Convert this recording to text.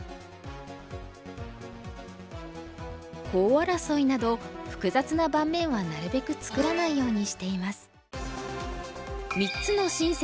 コウ争いなど複雑な盤面はなるべく作らないようにしています。